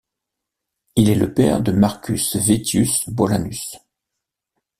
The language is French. Il est le père de Marcus Vettius Bolanus.